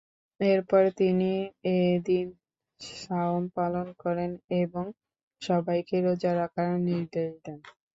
এরপর তিনি এদিন সাওম পালন করেন এবং সবাইকে রোজা রাখার নির্দেশ দেন।